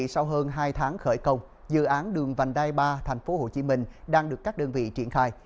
sau hơn hai tháng khởi công dự án đường vành đai ba tp hcm đang được các đơn vị triển khai